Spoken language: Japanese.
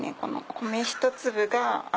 米１粒が「あ」。